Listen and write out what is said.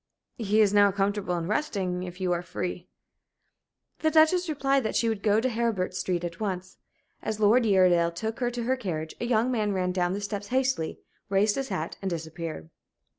"He is now comfortable and resting. If you are free " The Duchess replied that she would go to Heribert Street at once. As Lord Uredale took her to her carriage a young man ran down the steps hastily, raised his hat, and disappeared.